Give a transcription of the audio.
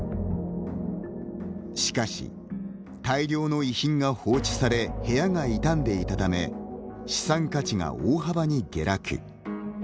しかし、大量の遺品が放置され部屋が傷んでいたため資産価値が大幅に下落。